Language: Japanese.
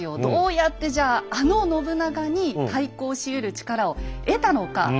どうやってじゃああの信長に対抗しうる力を得たのか。